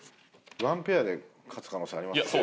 １ペアで勝つ可能性ありますからね。